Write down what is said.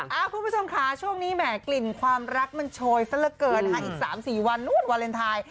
คุณผู้ชมค่ะช่วงนี้แหมกลิ่นความรักมันโชยซะละเกินนะคะอีก๓๔วันนู้นวาเลนไทย